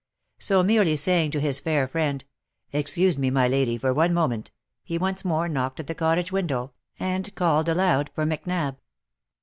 So, merely saying to his fair friend, f Excuse me, my lady, for one moment," he once more knocked at the cottage window, and called aloud for " Mac nab!"